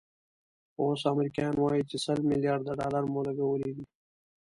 خو اوس امریکایان وایي چې سل ملیارده ډالر مو لګولي دي.